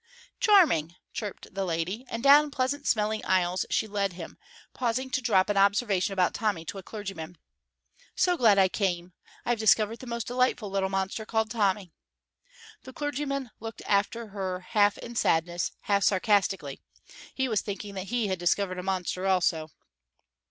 "Charming!" chirped the lady, and down pleasant smelling aisles she led him, pausing to drop an observation about Tommy to a clergyman: "So glad I came; I have discovered the most delightful little monster called Tommy." The clergyman looked after her half in sadness, half sarcastically; he was thinking that he had discovered a monster also.